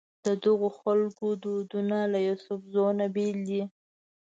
ددغو خلکو دودونه له یوسفزو نه بېل دي.